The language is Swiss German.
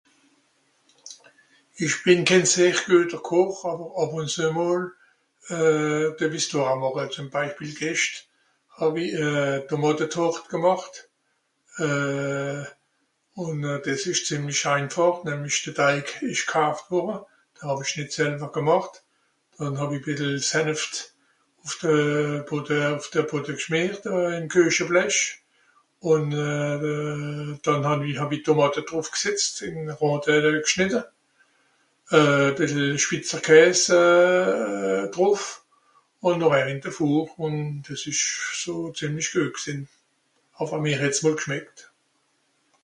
Ìch bìn kén sehr güeter Koch àwer àb ùn züe mol, euh... düe-w-i (...) màche zem Beispiel Gescht hàw-i e Tomàtetàrte gemàcht. Euh... ùn dìs ìsch ìsch zìemlisch einfàch nämlich de Teig ìsch (...). De Hàw-ich nìt selwer gemàcht. dànn hàw-i e bìssel Seneft ùff de Bodde ùff de Bodde gschmìert ìm Kuecheblech. Ùn euh... dànn hàw-i... hàw-i Tomàte drùffgsìtzt ìn (...) gschnìtte. Euh... bìssel Schwìtzerkäs euh... drùff, ùn nochher ìn de Four. Ùn dìs ìsch so zìemlisch güet gsìnn. Enfin mìr het's wohl gschmeckt.